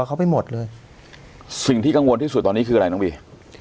เขาไปหมดเลยสิ่งที่กังวลที่สุดตอนนี้คืออะไรน้องบี